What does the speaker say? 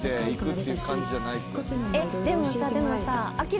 でもさでもさ。